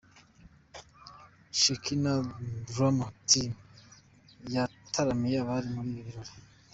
Shekinah Drama team yataramiye abari muri ibi birori.